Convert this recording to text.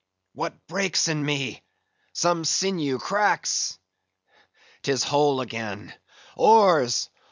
"What breaks in me? Some sinew cracks!—'tis whole again; oars!